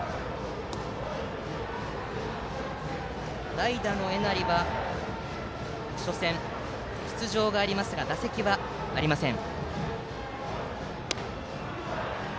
代打の江成は初戦で出場がありましたが打席はありません。